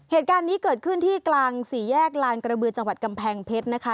เหตุการณ์นี้เกิดขึ้นที่กลางสี่แยกลานกระบือจังหวัดกำแพงเพชรนะคะ